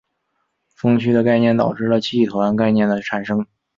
锋区的概念导致了气团概念的产生。